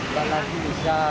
tahun lagi bisa